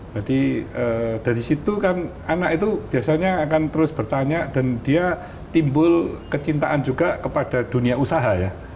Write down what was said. jadi dari situ kan anak itu biasanya akan terus bertanya dan dia timbul kecintaan juga kepada dunia usaha ya